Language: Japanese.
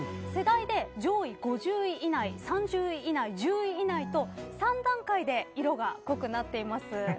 世代で上位５０位以内３０位以内１０位以内と３段階で色が濃くなっています。